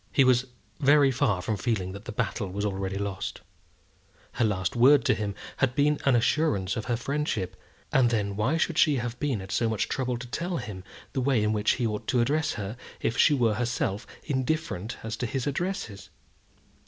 He was very far from feeling that the battle was already lost. Her last word to him had been an assurance of her friendship; and then why should she have been at so much trouble to tell him the way in which he ought to address her if she were herself indifferent as to his addresses?